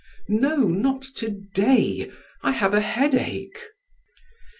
"No, not to day. I have a headache."